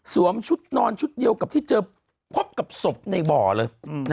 ชุดนอนชุดเดียวกับที่เจอพบกับศพในบ่อเลย